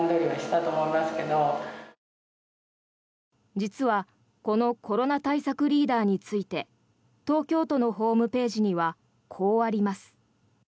実はこのコロナ対策リーダーについて東京都のホームページにはこうあります。